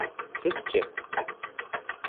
Siz-chi?